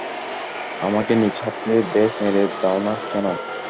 আমাকে নিজ হাতে ব্যস মেরে দাও না কেন?